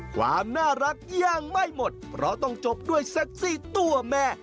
ความน่ารักยังไม่หมดเพราะต้องจบด้วยเซ็กซี่ตัวแม่